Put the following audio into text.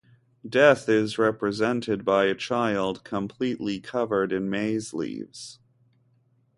Death is represented by a child completely covered in maize leaves.